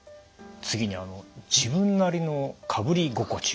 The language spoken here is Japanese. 次に「自分なりのかぶり心地」